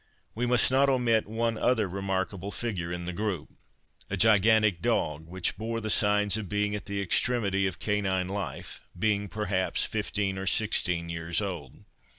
We must not omit one other remarkable figure in the group—a gigantic dog, which bore the signs of being at the extremity of canine life, being perhaps fifteen or sixteen years old.